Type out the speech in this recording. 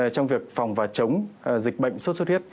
trong việc phòng và chống dịch bệnh suốt huyết